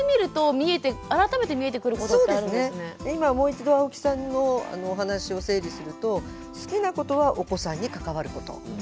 今もう一度青木さんのお話を整理すると好きなことはお子さんに関わること。